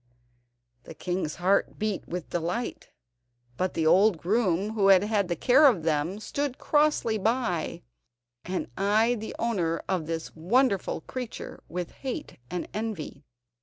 The king's heart beat with delight, but the old groom who had had the care of them stood crossly by, and eyed the owner of this wonderful creature with hate and envy.